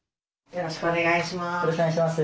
よろしくお願いします。